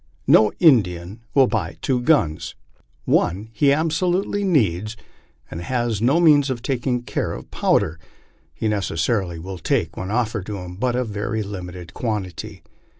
No Indian will buy two guns. One he abso* LIFE ON THE PLAINS. 117 lately needs ; and as he has no means of taking care of powder, he necessarily will take, when offered to him, but a very limited quantity.